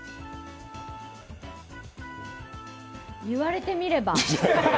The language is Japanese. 言われてみれば。